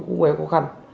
có vẻ khó khăn